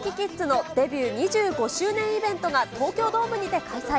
ＫｉｎＫｉＫｉｄｓのデビュー２５周年イベントが東京ドームにて開催。